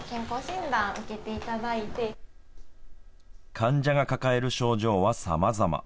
患者が抱える症状はさまざま。